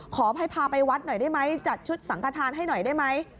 ขอให้พาไปวัดหน่อยได้ไหมจัดชุดสังขทานให้หน่อยได้ไหม